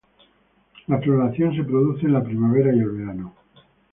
La floración se produce en la primavera y el verano.